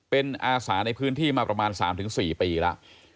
เป็นอาสาในพื้นที่มาประมาณ๓๔ปีแล้ว